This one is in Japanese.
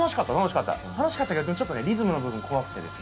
楽しかったけどちょっとリズムの部分怖くてですね